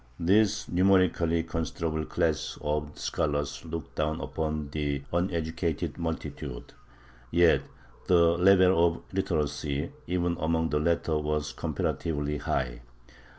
This numerically considerable class of scholars looked down upon the uneducated multitude. Yet the level of literacy even among the latter was comparatively high.